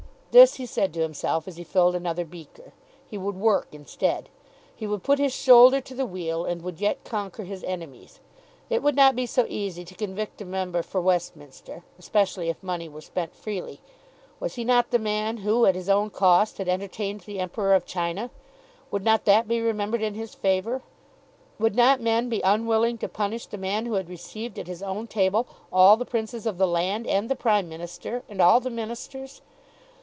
This he said to himself as he filled another beaker. He would work instead. He would put his shoulder to the wheel, and would yet conquer his enemies. It would not be so easy to convict a member for Westminster, especially if money were spent freely. Was he not the man who, at his own cost, had entertained the Emperor of China? Would not that be remembered in his favour? Would not men be unwilling to punish the man who had received at his own table all the Princes of the land, and the Prime Minister, and all the Ministers?